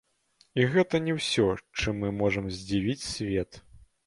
І гэта не ўсё, чым мы можам здзівіць свет.